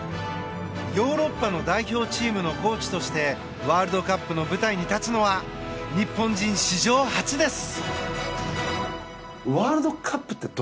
ヨーロッパの代表チームのコーチとしてワールドカップの舞台に立つのは日本人史上初です。